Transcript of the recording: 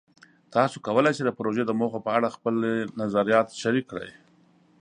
تاسو کولی شئ د پروژې د موخو په اړه خپلې نظریات شریک کړئ.